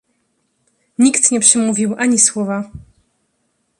"Nikt nie przemówił ani słowa."